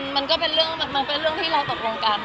มันก็เป็นเรื่องที่เราตกลงกัน